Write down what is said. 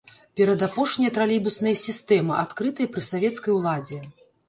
Перадапошняя тралейбусная сістэма, адкрытая пры савецкай уладзе.